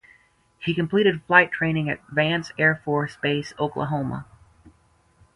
He completed flight training at Vance Air Force Base, Oklahoma.